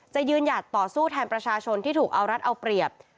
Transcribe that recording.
ยืนหยัดต่อสู้แทนประชาชนที่ถูกเอารัฐเอาเปรียบ